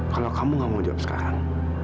kalau kamu gak mau jawab sekarang